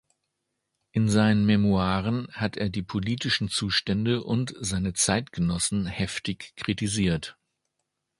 In seinen Memoiren hat er die politischen Zustände und seine Zeitgenossen heftig kritisiert.